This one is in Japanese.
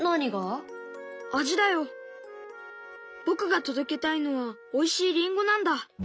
僕が届けたいのはおいしいりんごなんだ。